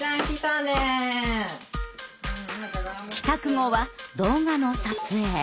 帰宅後は動画の撮影。